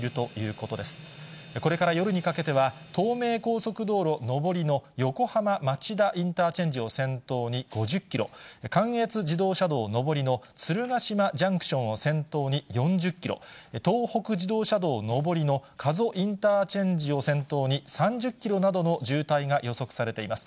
これから夜にかけては、東名高速道路上りの横浜町田インターチェンジを先頭に５０キロ、関越自動車道上りの鶴ヶ島ジャンクションを先頭に４０キロ、東北自動車道上りの加須インターチェンジを先頭に、３０キロなどの渋滞が予測されています。